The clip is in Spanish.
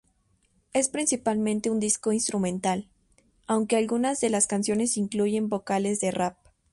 Es principalmente un disco instrumental, aunque algunas de las canciones incluyen vocales de rap.